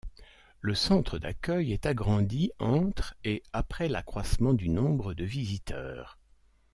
Le centre d'accueil est agrandi entre et après l'accroissement du nombre de visiteurs.